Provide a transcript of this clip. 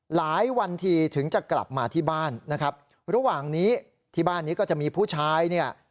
หลายวันที่ถึงจะกลับมาที่บ้านนะครับระหว่างนี้ที่บ้านนี้ก็จะมีผู้ชายเนี่ย